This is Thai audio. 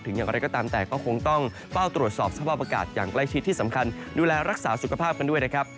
อย่างไรก็ตามแต่ก็คงต้องเฝ้าตรวจสอบสภาพอากาศอย่างใกล้ชิดที่สำคัญดูแลรักษาสุขภาพกันด้วยนะครับ